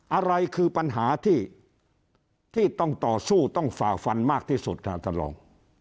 อะไรคือปัญหาที่ต้องต่อสู้ต้องฝ่าฟันมากที่สุดค่ะท่านรอง